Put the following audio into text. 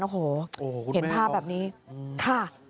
โอ้โหเห็นภาพแบบนี้ค่ะ